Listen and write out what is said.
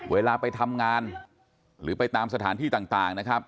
เวลาไปทำงานหรือไปตามสถานที่ต่างนะครับ